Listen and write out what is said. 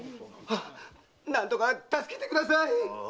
何とか助けてください！